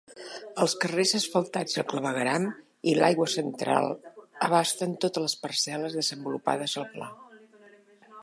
Els carrers asfaltats i el clavegueram i l'aigua central abasten totes les parcel·les desenvolupades al pla.